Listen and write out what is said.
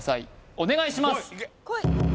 お願いします